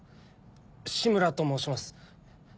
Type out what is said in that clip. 志村と申します。